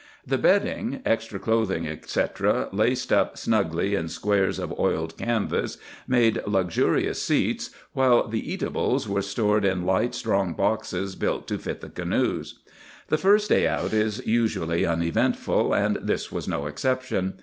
The bedding, extra clothing, etc., laced up snugly in squares of oiled canvas, made luxurious seats, while the eatables were stowed in light, strong boxes built to fit the canoes. The first day out is usually uneventful, and this was no exception.